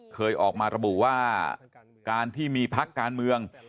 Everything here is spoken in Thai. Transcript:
เคยออกมาระบุว่าการที่มีพักการเมือง